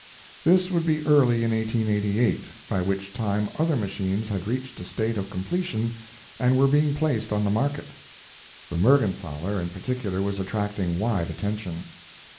This would be early in 1888, by which time other machines had reached a state of completion and were being placed on the market. The Mergenthaler, in particular, was attracting wide attention.